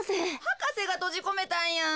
博士がとじこめたんやん。